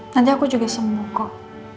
nanti aku juga sembuh kok